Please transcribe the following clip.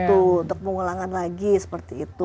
untuk pengulangan lagi seperti itu